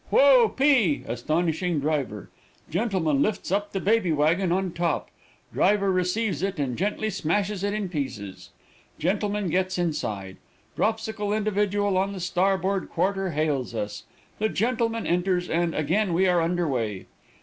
'Whoa 'p.' Astonishing driver. Gentleman lifts up the baby wagon on the top. Driver receives it, and gently smashes it in pieces. Gentleman gets inside. Dropsical individual on the starboard quarter hails us. The gentleman enters, and again we are under way.